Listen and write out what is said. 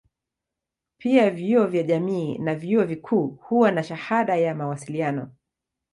Pia vyuo vya jamii na vyuo vikuu huwa na shahada ya mawasiliano.